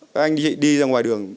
các anh chị đi ra ngoài đường